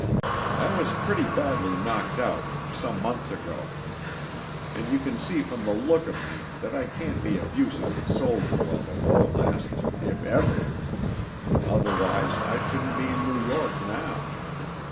I was pretty badly knocked out some months ago. And you can see from the look of me that I can't be of use as a soldier while the war lasts, if ever. Otherwise I shouldn't be in New York now.